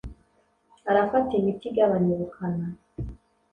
arafata imiti igabanya ubukana